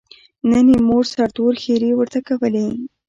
نن یې مور سرتور ښېرې ورته کولې.